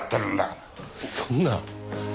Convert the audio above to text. そんな。